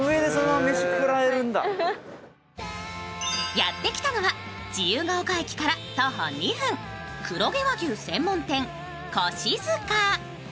やってきたのは自由が丘駅から徒歩２分、黒毛和牛専門店、腰塚。